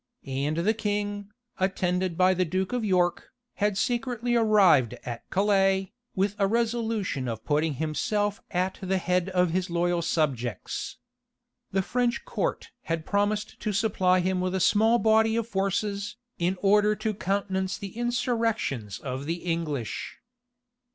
And the king, attended by the duke of York, had secretly arrived at Calais, with a resolution of putting himself at the head of his loyal subjects. The French court had promised to supply him with a small body of forces, in order to countenance the insurrections of the English.